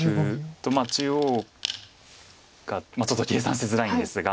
中央がちょっと計算しづらいんですが。